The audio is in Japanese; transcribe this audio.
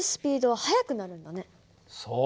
そう。